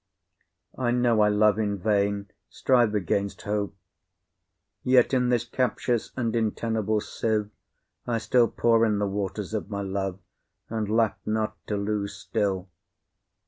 I know I love in vain, strive against hope; Yet in this captious and inteemable sieve I still pour in the waters of my love And lack not to lose still.